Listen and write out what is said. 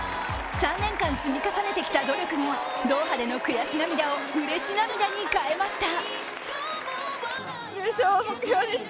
３年間積み重ねてきた努力がドーハでの悔し涙をうれし涙に変えました。